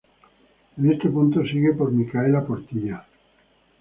En este punto sigue por Mikaela Portilla.